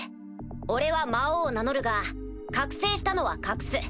俺は魔王を名乗るが覚醒したのは隠す。